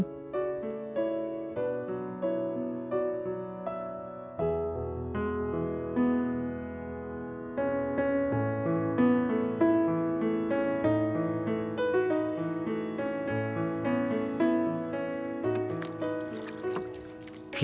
một trùng rượu